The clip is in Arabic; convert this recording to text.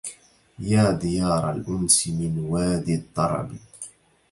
يا ديار الانس من وادي الطرب